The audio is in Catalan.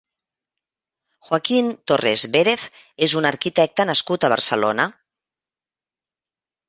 Joaquín Torres Vérez és un arquitecte nascut a Barcelona.